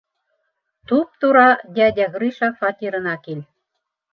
Туп-тура дядя Гриша фатирына кил.